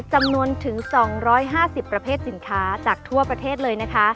จำนวนถึง๒๕๐ประเภทสินค้าจากทั่วประเทศเลยนะคะ